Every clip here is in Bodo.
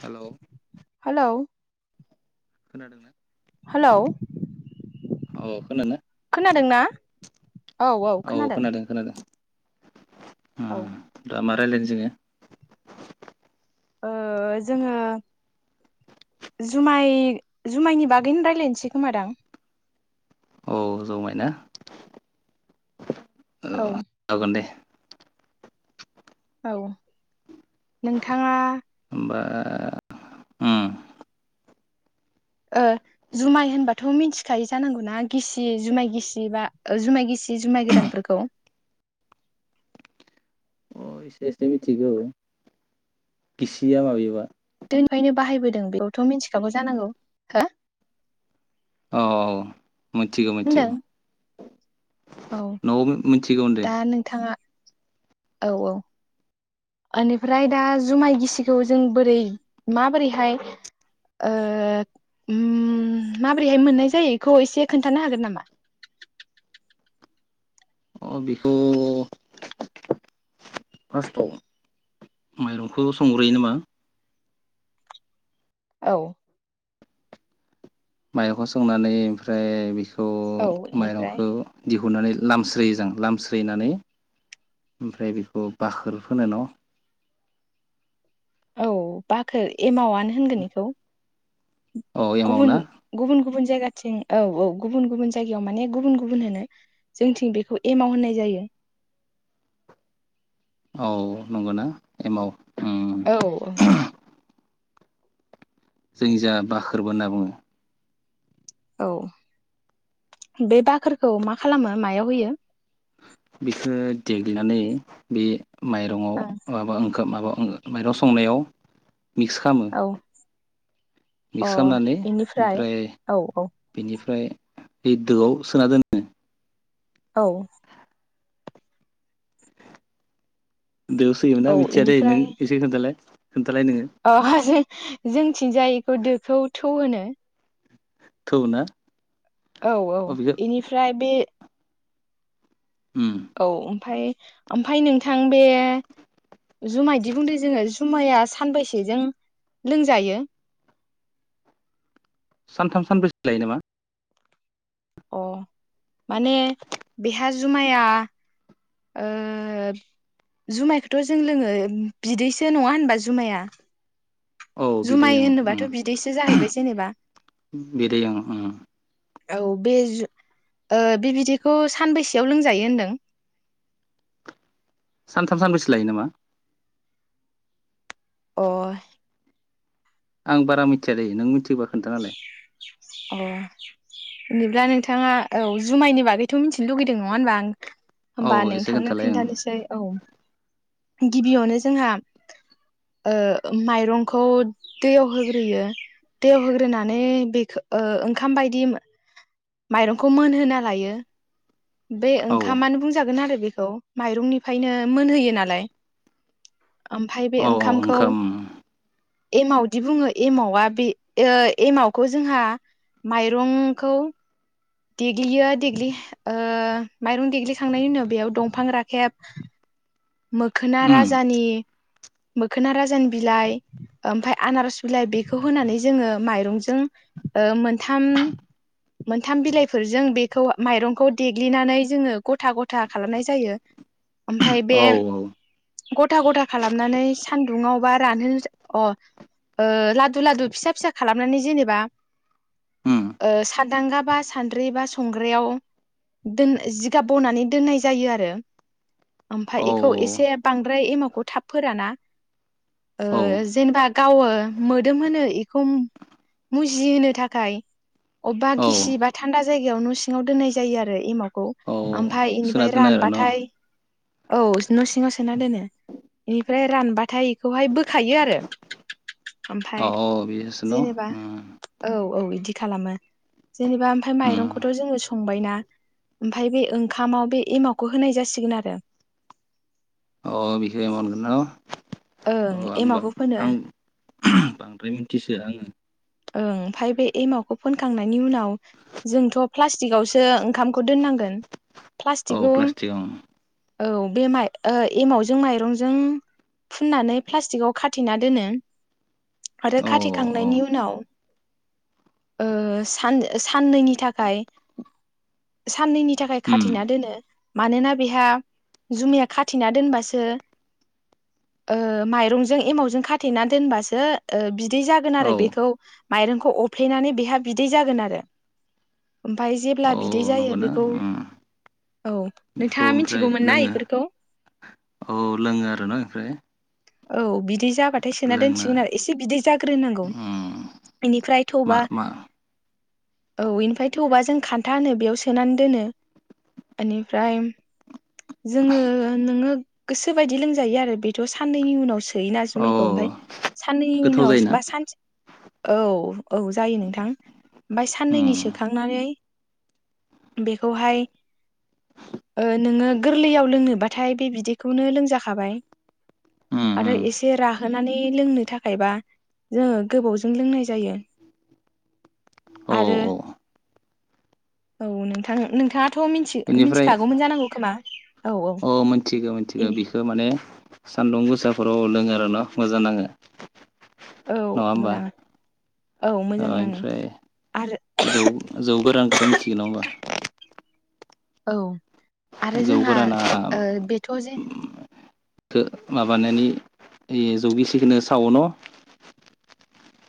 हेलौ। हेलौ खोनादोंना? हेलौ। औ खोनादो ना? खोनादोंना? औ खोनादों खोनादों। औ दामा रायलायनो जोङो। जोङो जुमाय जुमायनि बागैनो रायज्लायनो सै खोमा दां। औ जुमाय ना। औ जागोन दे। औ नोंथाङा होमबा उम। जुमाय होनबाथ' मिथिखायो जानांगौना गिसि जुमाय गिसि बा जुमाय गिसि जुमाय गोरानफोरखौ अ एसे एसे मिथिगौ गिसिया माबेबा गोदोनिफ्रायनो बाहायबोदों बेखौथ' मिथिखागौ जानांगौ हो। मोनथिगो मोनथिगौ होनदों औ न' मोनथिगौनो दे। दा नोंथाङा औ औ। बेनिफ्राय दा जुमाय गिसिखौ जों बोरै माबोरैहाय माबोरैहाय मोननाय जायो बेखौ एसे खोन्थानो हागोन नामा? अ बेखौ फार्स्टआव माइरंखौ संग्रोयो नामा। औ। माइरंखौ संनानै ओमफ्राय बेखौ औ थ' बेनिफ्राय माइरंखौ दिहुन गुनानै लामस्रोयो जों लामस्रोनानै ओमफ्राय बेखौ बाखोर फोनो न' औ बाखोर एमावा आनो होनगोन बेखौ औ एमाव गुबुन ना गुबुन गुबुन जायगाथिं औ औ गुबुन गुबुन जायगायाव माने गुबुन गुबुन होनो जोंथिं बेखौ एमाव होननाय जायो औ नंगौना एमाव उम औ जोंनि जा बाखोरबो होनना बुङो औ बे बाखोरखौ मा खालामो मायाव होयो बेखौ देग्लिनानै बे माइरंआव माबा ओं माबा माइरं संनायाव मिक्स खालामो ओं औ अ मिक्स खालामनानै इनिफ्राय ओमफ्राय औ औ बेनिफ्राय दोआव सोना दोनो औ दोआव औ सोयोमोनना मिथिया दे नों इनिफ्राय एसे खोन्था लाय अ जोंनिथिंजाय इखो दोखौ थौ होनो। थौ ना। औ औ अ बेखौ इनिफ्राय बे। उम औ ओमफाय। ओमफाय नोंथां बे जुमायदि बुंदों जोङो जुमाया सानबैसेजों लोंजायो। सानथाम सानब्रैसो लायोनामा। अह माने बेहा जुमाया ओह जुमायखोथ जों लोङो बिदैसो नङाहोनबा जुमाया। औ बिदै जुमाय ओं उम होनोबाथ' बिदैसो जाहैबाय जेनेबा बिदै ओं उम। औ बे जु ओह बे बिदैखौ सानबैसेआव लोंजायो होनदों। सानथाम सानब्रैसो लायोनामा। अह। आं बारा मिथियालै नों मिथियोबा खोन्थाना होलाय। अह बिदिब्ला नोंथाङा औ जुमायनि बागैथ मिथिनो लुगैदों नङाहोनबा आं औ होमबा एसे नोंथांनो खोन्थालाय ओं खिन्थानोसै औ। गिबियावनो जोंहा ओह माइरंखौ दैयाव होग्रोयो दैयाव होग्रो गोनानै बेखो ओह ओंखाम बायदिम। माइरंखौ मोनहोनालायो। बे औ ओंखामानो बुंजागोनआरो बे औ माइरंनिफायनो मोनहोयोनालाय। ओमफाय बे औ औ ओंखामखौ ओंखाम एमावदि बुङो एमावा बे ओह एमावखौजोंहा माइरंखौ देग्लियो देग्लि ओ माइरं देग्लिखांनायनि उनाव बेयाव दंफां राखेब मोखोना उम राजानि मोखोना राजानि बिलाइ ओमफाय आनारस बिलाइ बेखौ होनानै जोङो माइरंजों ओ मोनथाम मोनथाम बिलाइफोरजों बेखौ माइरंखौ देग्लिनानै जोङो गथा गथा खालामनाय जायो। ओमफाय बे औ औ गथा गथा खालामनानै सान दुङाव बा रानहो अ ओ लादु लादु फिसा फिसा खालामनानै जेनेबा उम ओ सान्दांगा बा सानद्रि बा संग्रायाव दोन जिगाब बनानै दोनाय जायो आरो। आम औ थौ एसेब बांद्राय एमावखौ थाब फोराना औ ओह जेनबा गावो मोदोमहोनो इखौ मुजिहोनो थाखाय अबेबा औ गिसि बा थान्दा जायगायाव न सिङाव दोननाय जायो आरो एमावखौ। औ ओमफाय सोना इनिफाय दोनो आरो न' रानबाथाय। औस। न' सिङाव सोना दोनो इनिफ्राय रानबाथाय बेखौहाय बोखायो आरो। ओमफाय औ औ बे [unintelligible] न' उम। दि खालामो। जेनेबा आमफाय उम माइरंखौथ जोङो स संबायना ओमफाय बे ओंखामाव बे एमावखौ होनाय जासिगोन आरो अ बिसोरो मोनगोन न' ओं अ आं एमावखौ फोनो आं बांद्राय मिथिसोआ आङो ओं ओमफाय बे एमावखौ फोनखांनायनि उनाव जोंथ' प्लास्टिकआवसो ओंखामखौ दोननांगोन। औ प्लास्टिकखौ प्लास्टिकआव ओम औ बे माइ एमावजों माइरंजों फुननानै प्लास्टिकआव खाथेना दोनो। आरो औ औ खाथेखांनायनि उ ओ सान-साननैनि थाखाय साननैनि थाखाय उम खाथेना दोनो। मानोना बेहा जुमाया खाथेना दोनबासो ओ माइरंजों एमावजों खाथेना दोनबासो ओ बि दि जागोन औ आरो बे माइरंखौ अफ्लेनानै बेहा बिदै जागोन आरो ओमफाय जेब्ला औ बि दै जायो नंगौना बेखौ उम औ बेखौ नोंथाङा ओमफ्राय मिथिगौमोन ना लोङो इफोरखौ औ लोङो आरो ना ओमफ्राय औ बिद दि जाबाथाय सोना लोंनो दोनसिगोन आरो एसे बिदै जाग्रोनांगौ उम बेनिफ्राय मा थबा मा औ इनिफ्राय थौबा जों खान्था होनो बेयाव सोनानै दोनो इनिफ्राय जोङो नोङो गोसोबायदि लोंजायो आरो बेथ' साननैनि उनावसो थोयोना औ जुमायखौ ओमफ्राय साननैनि गोथाव उनाव जायोना बा सानसे औ। औ जायो नोंथां ओमफ्राय साननैनि उम सोखांनानै बेखौहाय ओ नोङो गोरलैयाव लोङोबाथाय बे बिदैखौनो लोंजाखाबाय। उम आरो उम एसे राहोनानै लोंनो थाखायबा जोङो गोबावजों लोंनाय जायो। औ आरो औ। औ नोंथां नोंथाङा थ' मिथि बेनिफ्राय मिथिखागौमोन जानांगौ खोमा। औ औ अ मिथिगौ मिथिगौ बिखौ माने सान्दुं गोसाफोराव लोङो आरो ना मोजां नाङो। औ नङा होमबा मोजां औ ओ मोजां नाङो इनिफ्राय आरो जौ जौ गोरान बेथ' मिथिगो नङा होमबा? औ। आरो जौ जोंहा ओ गोरानाखौ बेथ' जे गो माबानानै जौगिसिखोनो सावो न?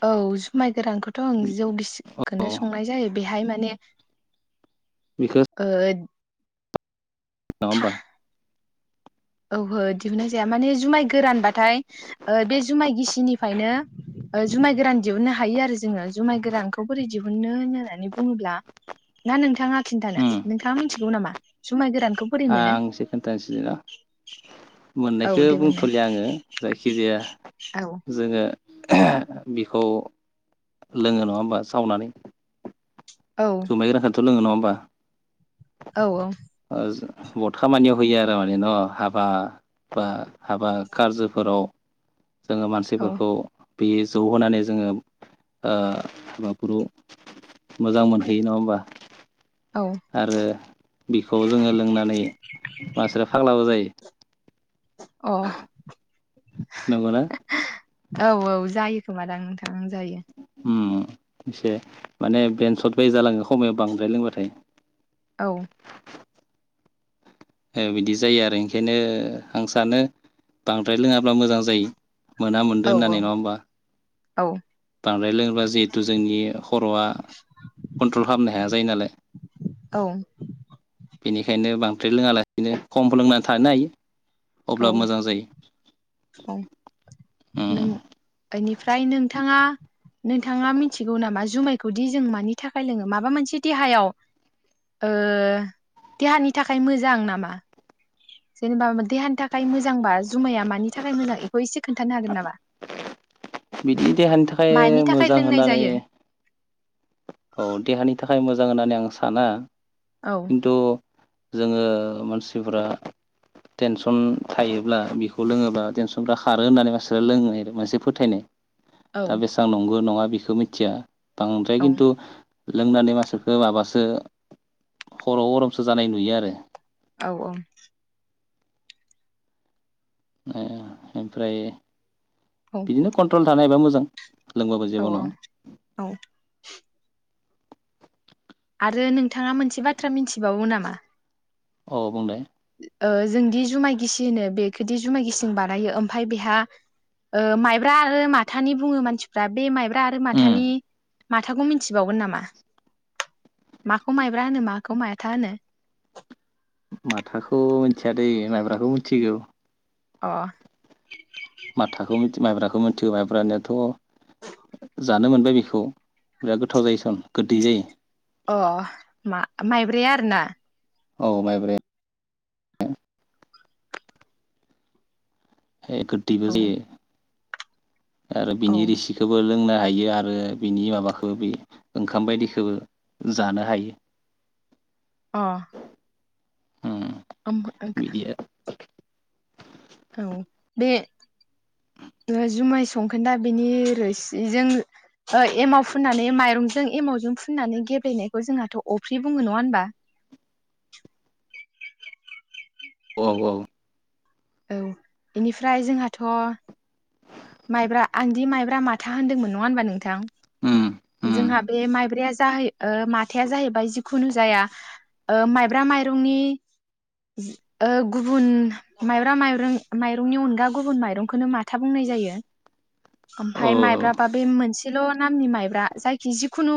औ जुमाय गोरानखौथ' आं जौ औ गिसिखौनो संनाय जायो बेहाय माने बेखौ ओ। नङा होमबा? औहो दिहुननाय जाया माने जुमाय गोरानबाथाय ओ बे जुमाय गिसिनिफ्रायनो जुमाय गोरान दिहुननो हायो आरो जोङो जुमाय गोरानखौ बोरै दिहुननो होननानै बुङोब्ला ना नोंथाङा खिन्थानो उम नोंथाङा मिथिगौ नामा जुमाय गोरान आं इसे खोनथानसै ना औ मोननायखौ दे बुंनाय बुंथ'लिया आङो जायखिजाया औ जोङो बि खौ लोङो नङा होमबा सावनानै? औ जुमाय [unintelligible] थ' लोङो नङा होमबा? औ औ। ओ बहुद खामानियाव होयो आरो माने न हाबा बा हाबा कारजोफोराव। जोङो औ मानसिफोरखौ बे जौहोनानै जोङो ओ हाबाफोरखौ मोजां मोनहैयो नङा होमबा? औ आरो बिखौ जोङो लोंनानै मानसिफोरा फाग्लाबो जायो। अ। नंगौ ना? औ औ जायो खोमादां नोंथां जायो। ओम एसे माने बेन्सट बाय जालाङो समायाव बांद्राय लोंबाथाय। औ बिदि जायो आरो ओंखायनो आं सानो बांद्राय लोङाब्ला मोजां जायो। मोना औ मोनदों होननानै नङा होमबा। औ बांद्राय लोङोब्ला जिहेथु जोंनि खर'आ कन्ट्रल खालामनो हाया जायो नालाय। औ बेनिखायनो बांसिन ओफ्राय लोङा लासिनो खम लोंनानै थानो हायो। औ अब्ला मोजां जायो औ नों उम बेनिफ्राय नोंथाङा नोंथाङा मिथिगौ नामा जुमायखौदि जों मानि थाखाय लोङो माबा मोनसे देहायाव देहानि थाखाय मोजां नामा जेनेबा देहानि नि थाखाय मोजांबा जुमाया मानि थाखाय मोजां बेखौ एसे खोन्थानो हागोन नामा? बिदि देहानि थाखाय मानि थाखाय मोजां लोंनाय होननानै जायो औ देहानि थाखाय मोजां होननानै आं साना। औ खिन्थु जोङो मानसिफोरा टेनसन थायोब्ला बिखौ लोङोब्ला टेनसनफ्रा खारो होननानै मानसिफोरा लोंङो मोनसे फोथायनाय। औ दा बेसेबां नंगौ नङा बेखौ मिथिया। बे औ किनटु लोंनानै मासिफोरखौ माबासो खर' गरमसो जानाय नुयो आरो। औ ओं ए ओमफ्राय औ बिदिनो कन्ट्रल थानाय एबा मोजां। लोंबाबो औ जेबो औ नङा औ। आरो नोंथांङा मोनसे बाथ्रा मिनथिबावो नामा। अ बुंनाय। ओ जोंदि जुमाय गिसि होनो बेखोदि जुमाय गिसिंजों बानायो ओमफ्राय बेहाओ माइब्रा आरो माथानि बुङो मानसिफ्रा बे माइब्रा। दा आरो उम माथानि। माथाखौ मिनथिबावगोन नामा माखौ माइब्रा होनो माखौ मायथा होनो? माथाखौ मिथियादै माइब्राखौ मिथिगौ। अ बेखौ मिथिगौ मायब्रानियाथ'। जानो मोनबाय बेखौ बिराद गोथाव जायोसन गोदै जायो। अ मा माइब्राया आरो ना? औ माइब्राया। ए गोदैबो औ जायो। आरो औ बिनि रिसिखोबो लोंना हायो आरो बिनि माबाखो बे ओंखाम बायदिखो जानो हायो। अ। उम ओम-ओग। बिदि बे जुमाय संखोनदा बेनि रोसिजों ओ एमाव फुननानै माइरंजों एमावजों फुननानै गेब्लेनायखौ जोंहाथ' अफ्रि बुङो नङा होनबा। औऔ औ इनिफ्राय जोंहाथ'। माइब्रा आंदि माइब्रा माथा होनदोंमोन नङा होनबा उम नोंथां। उम जोंहा। बे माइब्राया जाहै माथा जाहैबाय जिखुनु जाया ओ माइब्रा माइरंनि ओ गुबुन माइब्रा माइरं माइरंनि अनगा गुबुन माइरंखौनो माथा बुंनाय जायो। [unintelligible] औ ओमफाय औ माइब्राबा बे मोनसे। एसेल' नामनि माइब्रा जायखि जिखुनु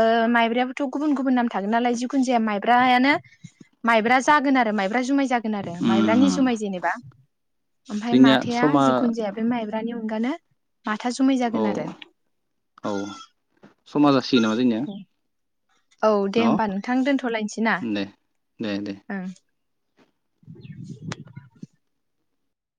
ओ माइब्रायाबोथ' गुबुन गुबुन नाम थागोन नालाय जिखुनु जाया माइब्रायानो माइब्रा जागोन आरो माइब्रा जुमाय जागोन आरो माइब्रानि उम जुमाय जेनेबा। ओमफ्राय जोंनिया माथाआ समा जिखुनु जाया बे माइ नि अनगानो। माथा जुमाय औ जागोन आरो। औ समा जासिगोन नामा जोंनिया औ दे होमबा न' नोंथां दोनथ'लायनोसै ना दे दे दे ओं। [unintelligible]